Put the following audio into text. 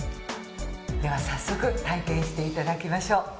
では早速体験していただきましょう。